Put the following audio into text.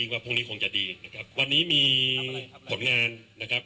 วันนี้มีผลงานนะครับ